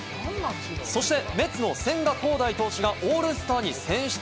そしてメッツの千賀滉大投手がオールスターに選出。